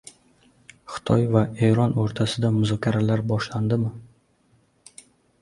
Xitoy va Eron o‘rtasida muzokaralar boshlandimi